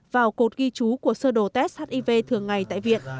vào cột ghi chú của sơ đồ test hiv thường ngày tại viện